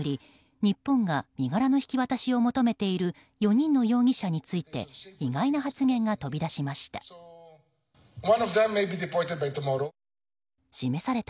日本が身柄の引き渡しを求めている４人の容疑者について意外な発言が飛び出しました。